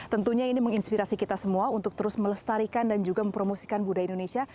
tentunya ini menginspirasi kita semua untuk terus melestarikan dan juga mempromosikan budaya indonesia